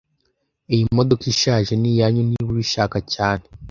Iyi modoka ishaje niyanyu niba ubishaka cyane